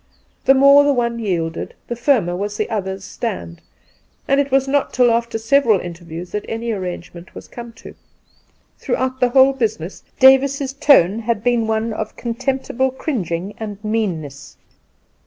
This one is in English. The more the one yielded the firmer was the other's stand, and it was not till after several interviews that any arrangement was come to. Throughout the whole business Davis's tone had been one of contemptible cringing and meanness.